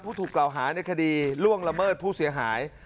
ถูกกล่าวหาในคดีล่วงละเมิดผู้เสียหาย